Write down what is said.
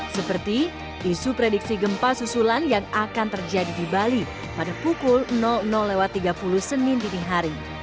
seperti isu prediksi gempa susulan yang akan terjadi di bali pada pukul tiga puluh senin dinihari